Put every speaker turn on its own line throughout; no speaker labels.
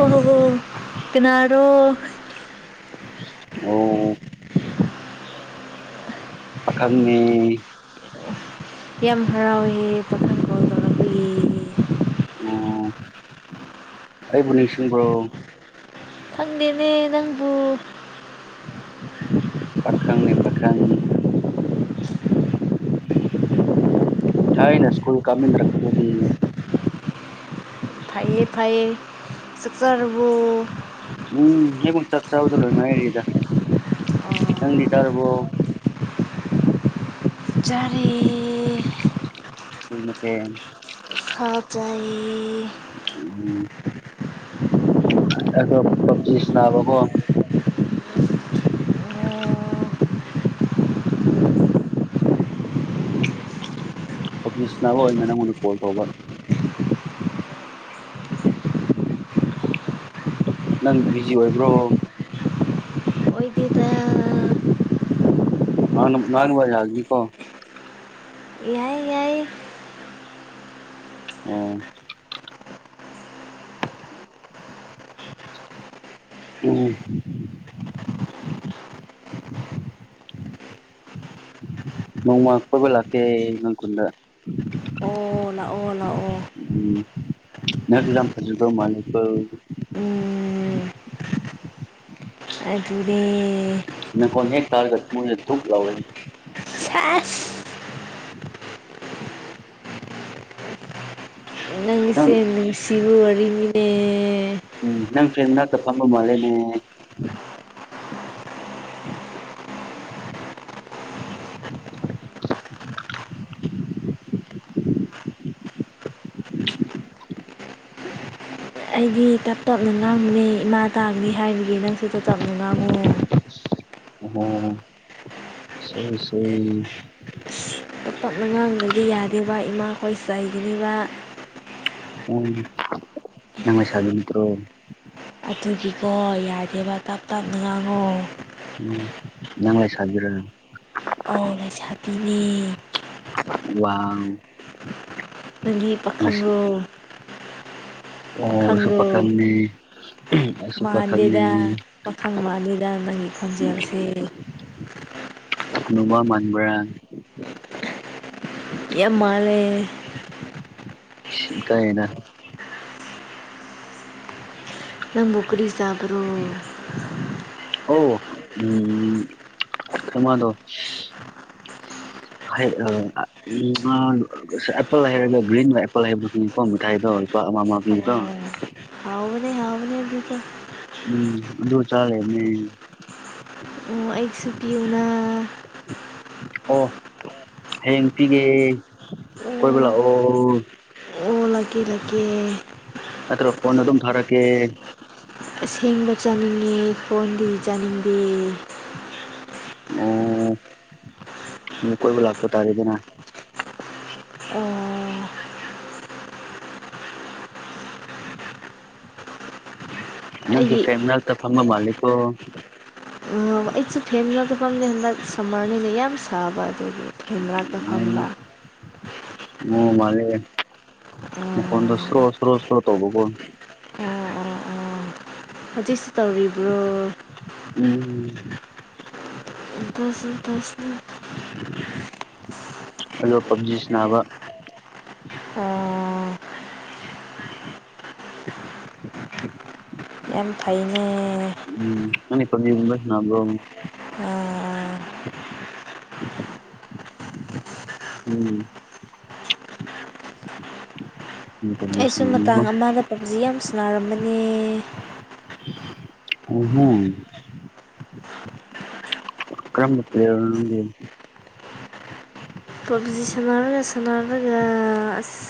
ꯑꯣꯍꯣ ꯍꯣ ꯀꯅꯥꯔꯣ
ꯑꯣ ꯄꯈꯪꯅꯦ
ꯌꯥꯝ ꯍꯔꯥꯎꯋꯦ ꯄꯥꯈꯪ ꯐꯣꯟ ꯇꯧꯂꯛꯀꯂꯦ
ꯑꯣ ꯑꯩꯕꯨ ꯅꯤꯡꯁꯤꯡꯕ꯭ꯔꯣ
ꯈꯪꯗꯦꯅꯦ ꯅꯪꯕꯨ [inaudible]
ꯄꯥꯈꯪꯅꯦ ꯄꯥꯈꯪ [inaudible] ꯊꯥꯏꯅ ꯁ꯭ꯀꯨꯜ ꯀꯥꯃꯤꯟꯅꯔꯛꯄꯗꯨꯗꯤ
ꯐꯩꯌꯦ ꯐꯩꯩꯌꯦ ꯆꯛ ꯆꯥꯔꯕꯣ
ꯎꯝ ꯑꯩꯕꯨ ꯆꯥꯛ ꯆꯥꯕꯗ ꯂꯣꯏ
[unintelligible]
ꯉꯥꯏꯔꯤꯗ ꯅꯪꯗꯤ ꯆꯥꯔꯕꯣ
ꯆꯥꯔꯤꯌꯦ
ꯀꯩ ꯃꯊꯦꯟ
ꯁꯥ ꯆꯥꯏꯌꯦ
ꯎꯝ ꯑꯩꯗꯣ ꯄꯞꯖꯤ ꯁꯥꯅꯕꯀꯣ
ꯑꯣ
ꯄꯐꯖꯤꯁꯥꯅꯕ ꯑꯣꯏꯅ ꯅꯉꯣꯟꯗ ꯀꯣꯜ ꯇꯧꯕ ꯅꯪ ꯕꯤꯖꯤ ꯑꯣꯏꯕ꯭ꯔꯣ
ꯑꯣꯏꯗꯦꯗ
[unintelligible]
ꯌꯥꯏ ꯌꯥꯏ
ꯑꯣ [inaudible] ꯅꯣꯡꯃ ꯀꯣꯏꯕ ꯂꯥꯛꯀꯦ ꯅꯣꯏ ꯈꯨꯟꯗ
ꯑꯣ ꯂꯥꯛꯑꯣ ꯂꯥꯛꯑꯣ
ꯎꯝ ꯅꯪ ꯌꯥꯝ ꯐꯖꯗꯩ ꯃꯥꯟꯂꯤꯀꯣ
ꯎꯝ ꯑꯗꯨꯔꯦ
ꯅꯈꯣꯟ ꯍꯦꯛ ꯇꯥꯔꯒ ꯊꯃꯣꯏꯁꯦ ꯙꯨꯛ ꯂꯥꯎꯋꯦ
[unintelligible] ꯁꯦꯁ
ꯅꯪ
ꯅꯪꯁꯦ ꯅꯨꯡꯁꯤꯕ ꯋꯥꯔꯤꯅꯤꯅꯦ [inaudible]
ꯎꯝ ꯅꯪ ꯐꯦꯟ ꯃꯅꯥꯛꯇ ꯐꯝꯕ [unintelligible]
ꯑꯩꯗꯤ ꯇꯞ ꯇꯞꯅ ꯉꯥꯡꯕꯅꯦ ꯏꯃꯥ ꯇꯥꯒꯤꯅꯤ ꯍꯥꯏꯕꯒꯤ ꯅꯪꯁꯨ ꯇꯞ ꯇꯞꯅ ꯉꯥꯡꯉꯣ
ꯑꯣ ꯁꯣꯔꯤ ꯁꯣꯔꯤ
ꯑꯁ ꯇꯞ ꯇꯞꯅ ꯉꯥꯡꯗꯒꯤ ꯌꯥꯗꯦꯕ ꯏꯃꯥꯈꯣꯏ ꯆꯩꯒꯅꯤꯕ
ꯎꯝ ꯅꯪ ꯂꯩꯁꯥꯕꯤ ꯅꯇ꯭ꯔꯣ
ꯑꯗꯨꯗꯤꯀꯣ ꯌꯥꯗꯦꯕ ꯇꯞ ꯇꯞꯅ ꯉꯥꯡꯉꯣ
ꯎꯝ ꯅꯪ ꯂꯩꯁꯥꯕꯤꯔ
ꯑ ꯂꯩꯁꯥꯕꯤꯅꯦ
ꯋꯥꯎ
ꯅꯪꯒꯤ ꯄꯥꯈꯪ
ꯉꯁꯤ
ꯔꯣ
ꯑꯣ ꯑꯩꯁꯨ ꯄꯈꯪꯅꯦ ꯑꯩꯁꯨ ꯄꯈꯪꯅꯦ
ꯄꯈꯪ ꯃꯥꯟꯗꯦꯗ ꯅꯪꯒꯤ ꯈꯣꯟꯖꯦꯜꯁꯦ
ꯍꯅꯨꯕ ꯃꯥꯟꯕꯔꯥ
ꯌꯥꯝ ꯃꯥꯟꯂꯦ
ꯁꯤ ꯏꯀꯥꯏꯌꯦꯗ
ꯅꯪꯕꯨ ꯀꯔꯤ ꯆꯥꯕꯔꯣ
ꯑꯣ ꯎꯝ ꯀꯔꯃꯗꯣ ꯍꯩ ꯑ ꯎꯝ ꯑ ꯑꯦꯄꯜ ꯍꯥꯏꯔꯒ ꯒ꯭ꯔꯤꯟ ꯑꯦꯄꯜ ꯍꯥꯏꯕꯗꯣ ꯈꯪꯉꯤꯀꯣ ꯃꯥꯏꯗꯣ ꯂꯨꯄ ꯑꯃ ꯑꯃ ꯄꯤꯕꯗꯣ
ꯍꯥꯎ ꯑꯗꯨꯗ
ꯎꯝ ꯃꯗꯨ ꯆꯥꯔꯤꯕꯅꯦ
ꯑꯣ ꯑꯩꯁꯨ ꯄꯤꯌꯨꯅ
ꯑꯣ ꯍꯌꯦꯡ ꯄꯤꯒꯦ ꯀꯣꯏꯕ
ꯑꯣ
ꯂꯥꯛꯑꯣ
ꯑꯣ ꯂꯥꯛꯀꯦ ꯂꯥꯛꯀꯦ
ꯅꯠꯇ꯭ꯔꯣ ꯐꯣꯟꯗ ꯑꯗꯨꯝ ꯊꯔꯛꯀꯦ
ꯑꯁꯦꯡꯕ ꯆꯥꯅꯤꯡꯉꯦ ꯐꯣꯟꯗꯤ ꯆꯥꯅꯤꯡꯗꯦ
ꯑꯣ ꯃ ꯀꯣꯏꯕ ꯂꯥꯛꯄ ꯇꯥꯔꯦꯗꯅ
ꯑꯣ
ꯅꯪꯁꯤ
ꯑꯩꯒꯤ
ꯐꯦꯟ ꯃꯅꯥꯛꯇ ꯐꯝꯕ ꯃꯥꯜꯂꯤꯀꯣ
ꯑꯣ ꯑꯩꯁꯨ ꯐꯦꯟ ꯃꯅꯥꯛꯇ ꯐꯝꯅꯤꯡꯕ ꯁꯝꯃꯔꯅꯤꯅ ꯌꯥꯝ ꯁꯥꯕ ꯑꯗꯨꯒꯤ ꯐꯦꯟ ꯃꯅꯥꯛꯇ ꯐꯝꯕ
ꯎ ꯃꯥꯂꯦ ꯃꯈꯣꯟꯗ
ꯑꯣ
ꯁꯔꯣ ꯁꯔꯣ ꯁꯔꯣ ꯇꯧꯕ ꯀꯣ
ꯍꯧꯖꯤꯛ ꯁꯤ ꯇꯧꯔꯤꯕ꯭ꯔꯣ
ꯎꯝ
ꯗꯁ ꯗꯁ
ꯍꯜꯂꯣ ꯄꯞꯖꯤ ꯁꯅꯥꯕ
ꯑꯣ ꯌꯥꯝ ꯐꯩꯅꯦ
ꯎꯝ ꯅꯪꯗꯤ ꯄꯞꯖꯤꯒꯨꯝꯕ ꯁꯥꯅꯕ꯭ꯔꯣ
ꯑꯥ
ꯎꯝ ꯄꯞꯖꯤ
ꯑꯩꯁꯨ
ꯁꯥꯟꯅꯕꯀꯣ
ꯃꯇꯥꯡ ꯑꯃꯗ ꯄꯞꯖꯤ ꯌꯥꯝ ꯁꯅꯥꯔꯝꯕꯅꯦ
ꯎ ꯍꯨ ꯀꯔꯝꯕ ꯄ꯭ꯂꯦꯌꯔꯅꯣ ꯅꯪꯗꯤ
ꯄꯞꯖꯤ ꯁꯥꯅꯔꯒ ꯁꯥꯅꯔꯒ ꯑꯁ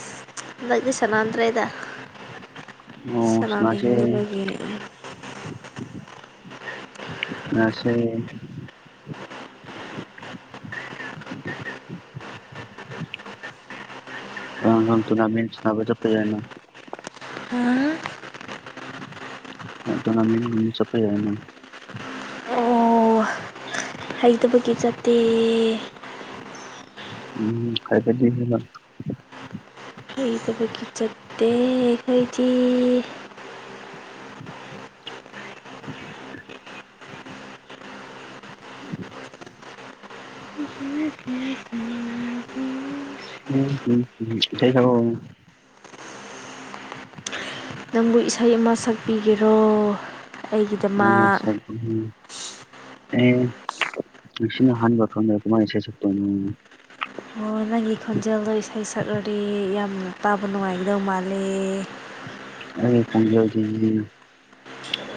ꯍꯟꯗꯛꯇꯤ ꯁꯅꯥꯗ꯭ꯔꯦꯗ
ꯑꯣ ꯁꯥꯟꯅꯁꯦ
ꯁꯅꯥꯅꯤꯡꯗꯕꯒꯤ
ꯁꯥꯟꯅꯁꯦ ꯑꯥ ꯅꯪ ꯇꯨꯔꯅꯥꯃꯦꯟ ꯁꯥꯅꯕ ꯆꯠꯄ ꯌꯥꯏꯅ ꯑ ꯇꯨꯔꯅꯥꯃꯦꯟꯒꯨꯝꯕ ꯆꯠꯄ ꯌꯥꯏꯅ
ꯑꯣ ꯍꯩꯇꯕꯒꯤ ꯆꯠꯇꯦ
ꯎꯝ ꯐꯖꯕꯤꯅꯤꯅ
ꯑꯩꯩ ꯊꯕꯛꯀꯤ ꯆꯠꯇꯦ ꯑꯩꯈꯣꯏꯗꯤ
ꯏꯁ ꯏꯁꯩ ꯁꯛꯂꯛꯑꯣ
ꯅꯪꯕꯨ ꯏꯁꯩ ꯑꯃ ꯁꯛꯄꯤꯒꯦꯔꯣ
ꯅꯪꯅ
ꯑꯩꯒꯤꯗꯃꯛ
ꯁꯛꯅꯤꯡ ꯑꯦ ꯉꯁꯤꯅ ꯑꯍꯥꯟꯕ ꯈꯪꯅꯔꯒ ꯀꯃꯥꯏꯅ ꯏꯁꯩ ꯁꯛꯇꯣꯏꯅꯣ
ꯑꯣ ꯅꯪꯒꯤ ꯈꯣꯟꯖꯦꯜꯗꯣ ꯏꯁꯩ ꯁꯛꯂꯗꯤ ꯌꯥꯝꯅ ꯇꯥꯕ ꯅꯨꯡꯉꯥꯏꯒꯗꯧ ꯃꯥꯜꯂꯦ
ꯑꯩꯒꯤ ꯈꯣꯡꯖꯦꯜꯗꯤ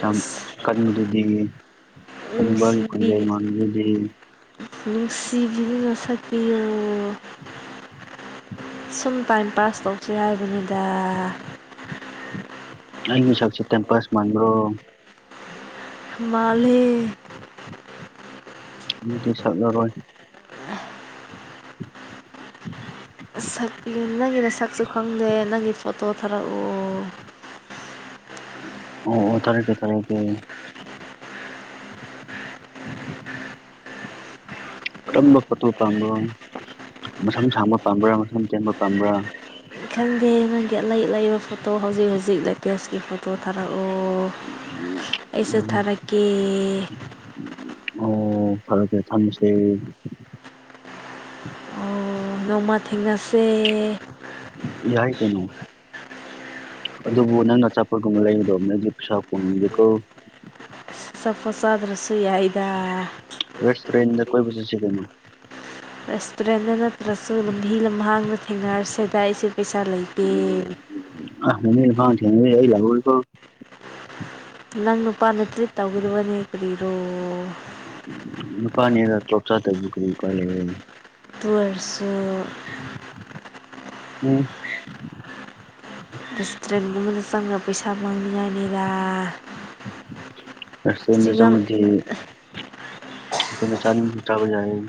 ꯌꯥꯝ ꯀꯜꯂꯤꯗꯨꯗꯤ ꯍꯅꯨꯕꯥꯒꯤ
ꯅꯨꯡꯁꯤꯕꯤ
ꯈꯣꯟꯖꯦꯜ ꯃꯥꯟꯕꯗꯤꯍꯦ
ꯅꯨꯡꯁꯤꯕꯤꯗꯨꯅ ꯁꯛꯄꯤꯌꯣ ꯁꯨꯝ ꯇꯥꯏꯝ ꯄꯥꯁ ꯇꯧꯁꯦ ꯍꯥꯏꯕꯅꯤꯗ
ꯑꯩꯒꯤ ꯁꯛꯁꯦ ꯇꯏꯝꯄꯥꯁ ꯃꯥꯟꯕ꯭ꯔꯣ
ꯃꯥꯜꯂꯦ
ꯑꯗꯨꯗꯤ ꯁꯛꯂꯔꯣꯏ
ꯁꯛ ꯂꯤ ꯅꯪꯒꯤ ꯅꯁꯛꯁꯨ ꯈꯪꯗꯦ ꯅꯪꯒꯤ ꯐꯣꯇꯣ ꯊꯥꯔꯛꯑꯣ
ꯑꯣ ꯑꯣ ꯊꯥꯔꯛꯀꯦ ꯊꯥꯔꯛꯀꯦ ꯀꯔꯝꯕ ꯐꯣꯠꯇꯣ ꯄꯥꯝꯕ꯭ꯔꯣ ꯃꯁꯝ ꯁꯥꯡꯕ ꯄꯥꯝꯕ꯭ꯔꯣ ꯃꯁꯝ ꯇꯦꯟꯕ ꯄꯥꯝꯕ꯭ꯔꯥ
ꯑꯩ ꯈꯪꯗꯦ ꯅꯪꯒꯤ ꯑꯩꯂꯩ ꯑꯂꯩꯕ ꯐꯣꯇꯣ ꯍꯧꯖꯤꯛ ꯍꯧꯖꯤꯛ ꯂꯦꯇꯦꯁꯀꯤ ꯐꯣꯇꯣ ꯊꯥꯔꯛꯑꯣ ꯑꯩꯁꯨ
ꯎꯝ
ꯊꯥꯔꯛꯀꯦ
ꯑꯣ ꯊꯥꯔꯛꯀꯦ ꯊꯝꯃꯁꯦ
ꯑꯣ ꯅꯣꯡꯃ ꯊꯦꯡꯅꯁꯦ
ꯌꯥꯏ ꯀꯩꯅꯣ ꯑꯗꯨꯕꯨ ꯅꯪꯅ ꯑꯆꯥꯄꯣꯠꯒꯨꯝꯕ ꯂꯩꯕꯗꯧꯅꯗꯤ ꯄꯩꯁꯥꯀꯣꯟꯅꯗꯦꯀꯣ
ꯑꯆꯥꯄꯣꯠ ꯆꯥꯗ꯭ꯔꯁꯨ ꯌꯥꯏꯗ
ꯔꯦꯁꯇꯨꯔꯦꯟꯗ ꯀꯣꯏꯕ ꯆꯠꯁꯤꯗꯅ
ꯔꯦꯁꯇꯨꯔꯦꯟꯗ ꯅꯠꯇ꯭ꯔꯁꯨ ꯂꯝꯕꯤ ꯂꯝꯍꯥꯡꯗ ꯊꯦꯡꯅꯔꯁꯦꯗꯥꯏꯁꯨ ꯄꯩꯁꯥ ꯂꯩꯇꯦ
ꯑꯥ ꯂꯝꯕꯤ ꯂꯝꯒꯥꯡꯗ ꯊꯦꯡꯅꯔꯗꯤ ꯑꯩ ꯂꯥꯛꯑꯣꯏꯀꯣ
ꯅꯪ ꯅꯨꯄꯥꯅ ꯇ꯭ꯔꯤꯠ ꯇꯧꯒꯗꯕꯅꯦ ꯀꯔꯤꯔꯣ
ꯅꯨꯄꯥꯅꯦꯗ ꯇꯣꯆꯔ ꯇꯧꯏꯗꯣ ꯀꯔꯤ ꯎꯄꯥꯏ ꯂꯩ ꯑꯩ
ꯑꯗꯨ ꯑꯣꯏꯔꯁꯨ
ꯎꯝ
ꯔꯦꯁꯇꯨꯔꯦꯟ ꯃꯅꯨꯡꯗ ꯆꯪꯉ ꯄꯩꯁꯥ ꯃꯥꯡꯅꯤꯡꯉꯥꯏꯅꯤꯗ
ꯔꯦꯁꯇꯨꯔꯦꯟꯗ
ꯆꯤꯡꯉꯝ
ꯆꯪꯉꯗꯤ ꯑꯩꯈꯣꯏꯅ ꯆꯅꯤꯡꯕꯗꯣ ꯆꯥꯕ ꯖꯥꯏꯑꯦ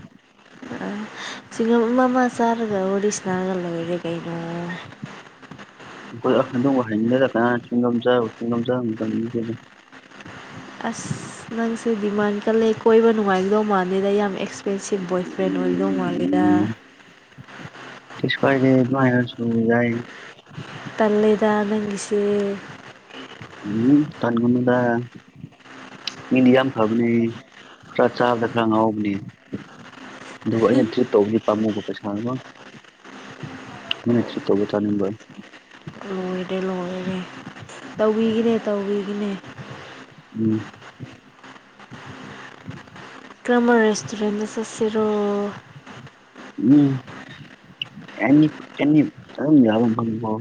ꯁꯤꯡꯒꯝ ꯑꯃ ꯑꯃ ꯆꯥꯔꯒ ꯋꯥꯔꯤ ꯁꯥꯟꯅꯔ ꯂꯩꯔꯦ ꯀꯩꯅꯣ
ꯑꯩꯈꯣꯏ ꯑ ꯑꯗꯨꯒꯨꯝꯕꯨ ꯍꯩꯅꯗꯦꯗ ꯀꯅꯥꯅ ꯆ꯭ꯌꯨꯡꯒꯝ ꯆꯥꯕ ꯆ꯭ꯌꯨꯡꯒꯝ ꯆꯥꯕ ꯃꯇꯝ ꯅꯠꯇꯦꯗ
ꯑꯁ ꯅꯪꯁꯦ ꯗꯤꯃꯥꯟ ꯀꯜꯂꯦ ꯀꯣꯏꯕ ꯅꯨꯡꯉꯥꯏꯒꯗꯧ ꯃꯥꯥꯟꯗꯦ ꯌꯥꯝ ꯑꯦꯛꯁꯄꯦꯟꯁꯤꯞ ꯕꯣꯏꯐ꯭ꯔꯦꯟ ꯑꯣꯏꯔꯝꯗꯧ ꯃꯥꯂꯤꯗ
ꯎꯝ [inaudible] ꯀꯩꯁꯨ ꯀꯥꯏꯗꯦ ꯗꯨꯃꯥꯢꯅꯁꯨ ꯌꯥꯏ
ꯇꯜꯂꯦꯗ ꯅꯪ ꯏꯁꯦ
ꯎꯝ ꯇꯟꯒꯅꯨꯗ ꯃꯤꯗꯤ ꯌꯥꯝ ꯐꯕꯅꯦ ꯈꯔ ꯆꯥꯕꯗ ꯈꯔ ꯉꯥꯎꯕꯅꯦ ꯑꯗꯨꯒ ꯑꯩꯅ ꯇ꯭ꯔꯤꯠ ꯇꯧꯕꯗꯤ ꯄꯥꯝꯃꯨꯕ ꯄꯩꯁꯥ ꯑꯃ ꯃꯤꯅ ꯇ꯭ꯔꯤꯠ ꯇꯧꯕ ꯆꯥꯅꯤꯡꯕ
ꯂꯣꯏꯔꯦ ꯂꯣꯏꯔꯦ ꯇꯧꯕꯤꯒꯤꯅꯦ ꯇꯧꯕꯤꯒꯤꯅꯦ
ꯎꯝ
ꯀꯔꯝꯕ ꯔꯦꯁꯇꯨꯔꯦꯟꯗ ꯆꯠꯁꯤꯔꯣ
ꯎꯝ ꯑꯦꯅꯤ ꯑꯦꯅꯤ ꯑꯗꯨꯝ ꯌꯥꯕ ꯃꯐꯝꯗꯀꯣ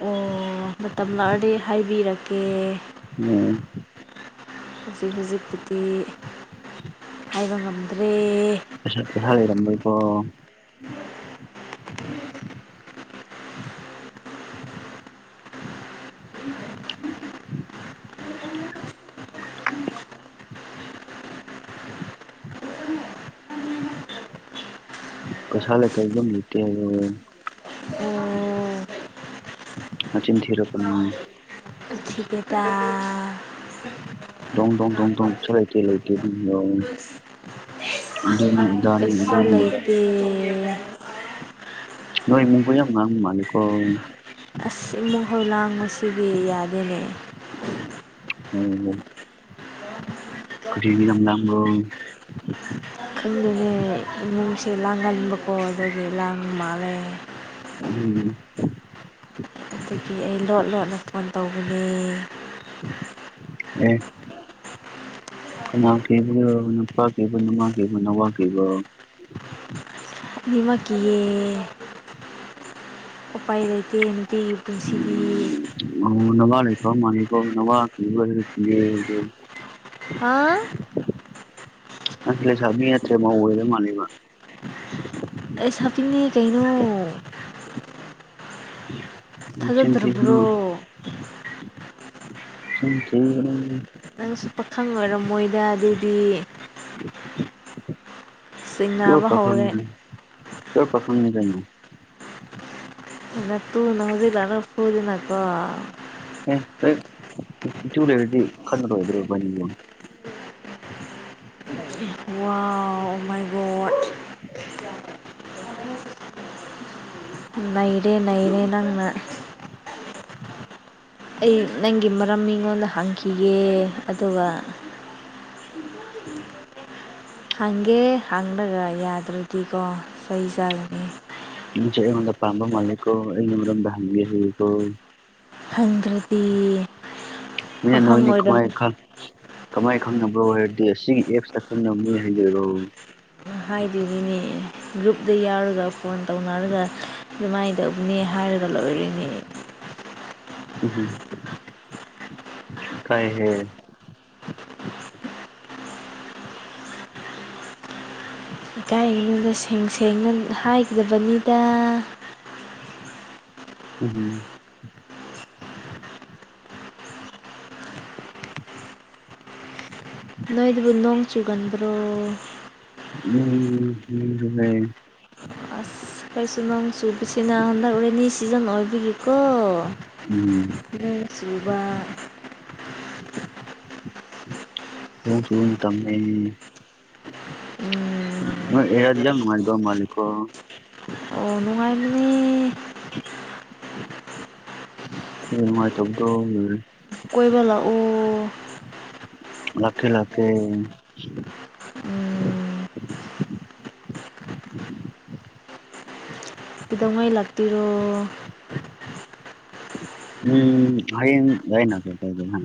ꯑꯣ ꯃꯇꯝ ꯂꯥꯛꯑꯗꯤ ꯍꯥꯏꯕꯤꯔꯛꯀꯦ
ꯑꯣ
ꯍꯧꯖꯤꯛ ꯍꯧꯖꯤꯛꯄꯨꯗꯤ ꯍꯥꯏꯕ ꯉꯝꯗ꯭ꯔꯦ
[unintelligible] ꯍꯥꯢꯔꯝꯔꯣꯢꯀꯣ ꯄꯩꯁꯥ ꯂꯩꯇꯦ ꯌꯨꯝ ꯂꯩꯇꯦ ꯍꯥꯢꯌꯣ
ꯑꯣ
ꯃꯆꯤꯟ ꯊꯤꯔꯛꯀꯅꯣ
ꯊꯤꯗꯦꯗ
ꯗꯣꯡ ꯗꯣꯡ ꯗꯣꯡ ꯗꯣꯡꯁꯨ ꯂꯩꯇꯦ ꯂꯩꯇꯦ ꯑꯗꯨꯒꯤꯔꯣ ꯗꯨꯅꯤ ꯗꯥꯅꯤ
ꯀꯩꯁꯨ
ꯗꯨꯅꯤ ꯗꯥꯅꯤ
ꯂꯩꯇꯦ
ꯅꯣꯏ ꯏꯃꯨꯡꯗꯣ ꯌꯥꯝ ꯉꯥꯡꯕ ꯃꯥꯜꯂꯤꯀꯣ
ꯑꯁ ꯏꯃꯨꯡ ꯍꯣꯏ ꯂꯥꯡꯕꯁꯤꯗꯤ ꯌꯥꯗꯦꯅꯦ
ꯎꯝ ꯀꯔꯤꯒꯤ ꯌꯥꯝ ꯂꯥꯡꯕ꯭ꯔꯣ
ꯈꯪꯗꯦꯅꯦ ꯏꯃꯨꯡꯁꯦ ꯂꯥꯡꯒꯟꯕꯀꯣ ꯑꯗꯨꯗꯒꯤ ꯂꯥꯡꯕ ꯃꯥꯜꯂꯦ
ꯎꯝ
ꯑꯗꯨꯒꯤ ꯑꯩ ꯂꯣꯠ ꯂꯣꯠꯅ ꯐꯣꯟ ꯇꯧꯕꯅꯦ
ꯑꯦ ꯀꯅꯥ ꯀꯤꯕꯅꯔꯣ ꯅꯄꯥ ꯀꯤꯕ ꯅꯃꯥ ꯀꯤꯕ ꯅꯋꯥ ꯀꯤꯕꯔꯣ
ꯑꯅꯤꯃꯛ ꯀꯤꯌꯦ ꯎꯄꯥꯏ ꯂꯩꯇꯦ ꯅꯨꯡꯄꯝꯒꯤ ꯄꯨꯟꯁꯤꯗꯤ
ꯑꯣ ꯅꯋꯥ ꯂꯩꯇꯕ ꯃꯥꯜꯂꯦꯀꯣ ꯅꯋꯥ ꯀꯤꯕꯔ ꯍꯥꯢꯔꯒ ꯀꯤꯌꯦ ꯍꯥꯢꯕꯗꯣ
ꯍꯥ
ꯅꯪꯁꯦ ꯂꯩꯁꯥꯕꯤ ꯅꯠꯇ꯭ꯔꯦ ꯃꯧ ꯑꯣꯢꯔ ꯃꯥꯜꯂꯦꯕ
ꯂꯩꯁꯥꯕꯤꯅꯦ ꯀꯩꯅꯣ
ꯅꯆꯤꯟ ꯊꯤꯒꯅꯨ
ꯊꯥꯖꯗ꯭ꯔꯕ꯭ꯔꯣ
ꯆꯤꯟ ꯊꯤꯒꯅꯨ
ꯅꯪꯁꯨ ꯄꯥꯈꯪ ꯑꯣꯏꯔꯝꯃꯣꯏꯗ ꯑꯗꯨꯗꯤ
ꯄꯤꯌꯣꯔ
ꯆꯤꯡꯅꯕ ꯍꯧꯔꯦ
ꯄꯥꯈꯪꯅꯤ ꯄꯤꯌꯣꯔ ꯄꯥꯈꯪꯅꯦ ꯀꯩꯅꯣ
ꯅꯇꯨꯅ ꯍꯧꯖꯤꯛ ꯂꯥꯛꯂꯒ ꯐꯨꯗꯅꯀꯣ
ꯑꯦ ꯍꯦꯛ ꯏꯇꯨ ꯂꯩꯔꯗꯤ ꯈꯠꯅꯔꯣꯢꯗ꯭ꯔꯣ ꯏꯕꯥꯟꯅꯤꯕꯨ
ꯋꯥꯎ ꯑꯣ ꯃꯥꯏ ꯒꯣꯠ ꯅꯩꯔꯦ ꯅꯩꯔꯦ ꯅꯪꯅ ꯑꯩ ꯅꯪꯒꯤ ꯃꯔꯝ ꯃꯤꯉꯣꯟꯗ ꯍꯪꯈꯤꯒꯦ ꯑꯗꯨꯒ ꯍꯪꯒꯦ ꯍꯪꯂꯒ ꯌꯥꯗ꯭ꯔꯗꯤꯀꯣ ꯆꯩ ꯆꯥꯖꯅꯤ
ꯅꯪꯁꯦ ꯑꯩꯉꯣꯟꯗ ꯄꯥꯝꯕ ꯃꯥꯂꯦꯀꯣ ꯑꯩꯒꯤ ꯃꯔꯝꯗ ꯍꯪꯒꯦ ꯍꯥꯏꯌꯦꯀꯣ
ꯍꯪꯗ꯭ꯔꯗꯤ ꯄꯥꯈꯪ ꯑꯣꯏꯔꯝ
ꯀꯃꯥꯏꯅ ꯈꯪꯅꯕ꯭ꯔꯣ ꯍꯥꯏꯔꯗꯤ ꯑꯁꯤꯒꯤ ꯑꯦꯞꯁꯇ ꯈꯪꯅꯕꯅꯦ ꯍꯥꯏꯖꯤꯜꯂꯣ
ꯍꯥꯏꯗꯣꯢꯅꯤꯅꯦ ꯒ꯭ꯔꯨꯞꯗ ꯌꯥꯎꯔꯒ ꯐꯣꯟ ꯇꯧꯅꯔꯒ ꯑꯗꯨꯃꯥꯏꯅꯇꯨꯕꯅꯦ ꯍ ꯍꯥꯏꯔꯒ ꯂꯣꯏꯔꯦꯅꯦ
[inaudible] ꯎꯍꯨꯝ ꯏꯀꯥꯏ ꯍꯦ
ꯏꯀꯥꯌꯦ ꯑꯩꯉꯣꯟꯗ ꯁꯦꯡ ꯁꯦꯡꯅ ꯍꯥꯏꯒ꯭ꯔꯕꯅꯤꯗ
ꯎꯝ
ꯅꯣꯏꯗꯨꯕꯨ ꯅꯣꯡ ꯆꯨꯒꯟꯕ꯭ꯔꯣ
ꯎꯝ ꯎꯝ ꯂꯩ
ꯈꯣꯏꯁꯨ ꯅꯣꯡ ꯆꯨꯕꯁꯤꯅ ꯍꯟꯗꯛ ꯔꯦꯟꯅꯤ ꯁꯤꯖꯟ ꯑꯣꯏꯕꯒꯤꯀꯣ
ꯎꯝ
ꯒ꯭ꯔꯤꯟ ꯆꯨꯕ
ꯅꯣꯡ ꯆꯨꯕ ꯃꯇꯝꯅꯦ
ꯎꯝ
ꯅꯣꯏ ꯑꯦꯔꯤꯌꯥꯗꯤ ꯌꯥꯝ ꯅꯨꯡꯉꯥꯏꯕ ꯃꯥꯂꯤꯀꯣ
ꯑꯣ ꯅꯨꯡꯉꯥꯏꯕꯅꯦ
ꯅꯨꯡꯉꯥꯏꯇꯕꯗꯣ ꯂꯣꯢꯔꯦ
ꯀꯣꯏꯕ ꯂꯥꯛꯑꯣ
ꯂꯥꯛꯀꯦ ꯂꯥꯛꯀꯦ
ꯎꯝ ꯀꯩꯗꯧꯉꯩ ꯂꯥꯛꯇꯣꯏꯔꯣ
ꯎꯝ ꯍꯌꯦꯡ ꯌꯥꯏꯅ ꯀꯥꯏꯗꯦꯅ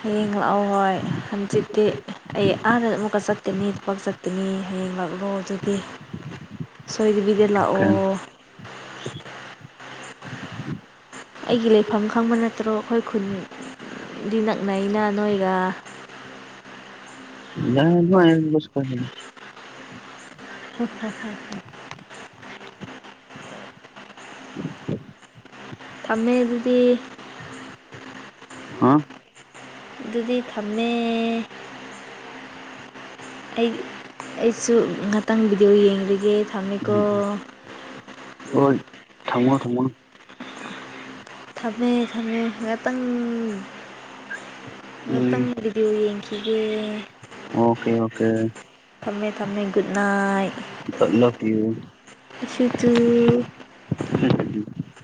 ꯍꯌꯦꯡ ꯂꯥꯛꯑꯣ ꯍꯣꯏ ꯍꯪꯆꯤꯠꯇꯤ ꯑꯩ ꯑꯥꯗ ꯑꯃꯨꯛꯀ ꯆꯠꯀꯅꯤ ꯊꯕꯛ ꯆꯠꯀꯅꯤ ꯍꯥꯏ ꯍꯌꯦꯡ ꯂꯥꯛꯂꯣ ꯑꯗꯨꯗꯤ ꯁꯣꯏꯗꯕꯤꯗ
ꯀꯩꯝ
ꯂꯥꯛꯑꯣ ꯑꯩꯒꯤ ꯂꯩꯐꯝ ꯈꯪꯕ ꯅꯠꯇ꯭ꯔꯣ ꯑꯩꯈꯣꯏ ꯈꯨꯟ ꯘꯤ ꯅꯛꯅꯩꯅ ꯅꯣꯏꯒ
[unintelligible]
ꯍꯥ ꯍꯥ ꯍꯥ ꯍꯥ ꯊꯃꯦ ꯑꯗꯨꯗꯤ
ꯍꯥ
ꯑꯗꯨꯗꯤ ꯊꯝꯃꯦ ꯑꯩ ꯑꯩꯁꯨ ꯉꯥꯛꯇꯪ ꯚꯤꯗꯤꯑꯣ ꯌꯦꯡꯒꯤꯒꯦ ꯊꯝꯃꯦꯀꯣ
ꯎꯝ ꯊꯃꯣ ꯊꯝꯃꯣ
ꯊꯝꯃꯦ ꯊꯝꯃꯦ ꯉꯥꯇꯪ
ꯎꯝ
ꯉꯥꯇꯪ ꯚꯤꯗꯤꯌꯣ ꯌꯦꯡꯈꯤꯒꯦ
ꯑꯣꯀꯦ ꯑꯣꯀꯦ
ꯊꯝꯃꯦ ꯊꯝꯃꯦ good night
love you
see you too
um